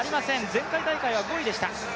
前回大会は５位でした。